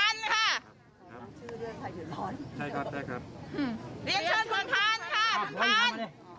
เรียนเชิญคุณพันธุ์ค่ะพันธุ์